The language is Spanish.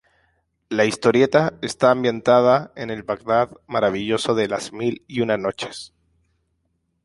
La historieta está ambientada en el Bagdad maravilloso de "Las mil y una noches".